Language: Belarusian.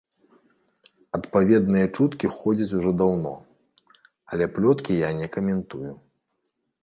Адпаведныя чуткі ходзяць ужо даўно, але плёткі я не каментую.